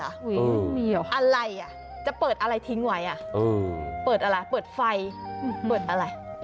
อะไรอ่ะจะเปิดอะไรทิ้งไว้อ่ะเปิดอะไรเปิดไฟเปิดอะไร